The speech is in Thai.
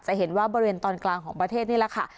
เห็นว่าบริเวณตอนกลางของประเทศนี่แหละค่ะ